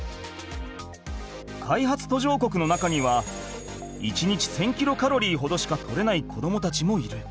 開発途上国の中には１日１，０００キロカロリーほどしか取れない子どもたちもいる。